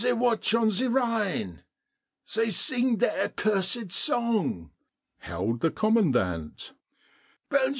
The Watch on the Rhine.' They sing their accursed song," howled the comman dant.